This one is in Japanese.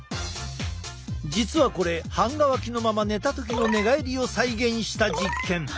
実はこれ半乾きのまま寝た時の寝返りを再現した実験。